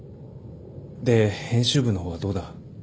で編集部の方はどうだ？